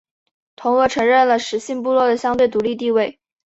同俄承认了十姓部落的相对独立地位。